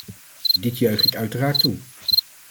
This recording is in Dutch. Dit juich ik uiteraard toe.